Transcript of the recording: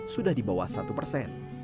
sudah di bawah satu persen